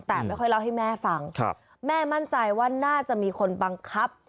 แต่ไม่ค่อยเล่าให้แม่ฟังแม่มั่นใจว่าน่าจะมีคนบังคับ